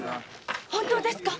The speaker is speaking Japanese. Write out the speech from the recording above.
本当ですか？